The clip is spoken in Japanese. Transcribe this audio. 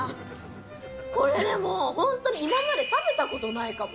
これ、でも、本当に今まで食べたことないかも。